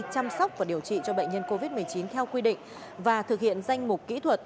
chăm sóc và điều trị cho bệnh nhân covid một mươi chín theo quy định và thực hiện danh mục kỹ thuật